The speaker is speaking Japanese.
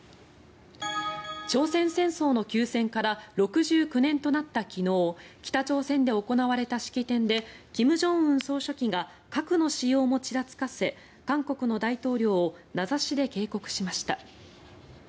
朝鮮戦争の休戦から６９年となった昨日北朝鮮で行われた式典で金正恩総書記が核の使用もちらつかせ韓国の大統領を名指しで警告しました。